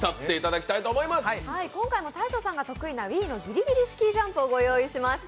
今回も大昇さんが得意のＷｉｉの「ぎりぎりスキージャンプ」をご用意しました。